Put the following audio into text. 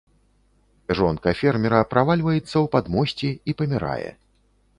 Жонка фермера правальваецца ў падмосце і памірае.